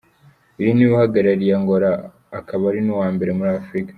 Uyu niwe uhagarariye Angola akaba ari n'uwa mbere muri Afrika.